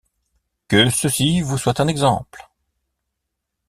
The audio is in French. Que ceci vous soit un exemple !